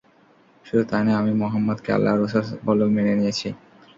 শুধু তাই নয়, আমি মুহাম্মাদকে আল্লাহর রাসূল বলেও মেনে নিয়েছি।